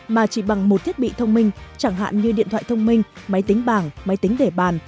mà chỉ bằng một thiết bị thông minh chẳng hạn như điện thoại thông minh máy tính bảng máy tính để bàn